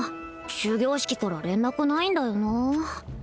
終業式から連絡ないんだよなー